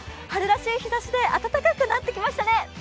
春らしい日ざしで暖かくなってきましたね。